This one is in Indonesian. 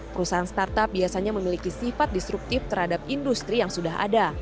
perusahaan startup biasanya memiliki sifat disruptif terhadap industri yang sudah ada